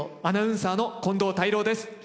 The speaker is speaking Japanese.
アナウンサーの近藤泰郎です。